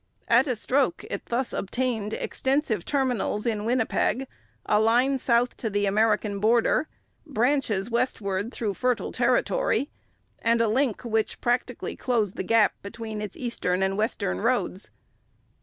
At a stroke it thus obtained extensive terminals in Winnipeg, a line south to the American border, branches westward through fertile territory, and a link which practically closed the gap between its eastern and its western roads.